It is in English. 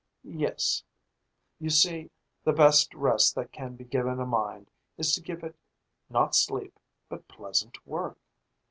"Yes. You see, the best rest that can be given a mind is to give it not sleep, but pleasant work.